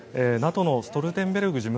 ＮＡＴＯのストルテンベルグ